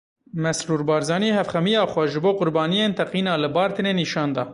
Mesrûr Barzanî hevxemiya xwe ji qurbaniyên teqîna li Bartinê nîşan da.